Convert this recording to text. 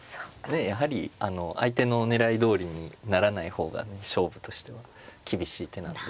ねえやはり相手の狙いどおりにならない方が勝負としては厳しい手なんで。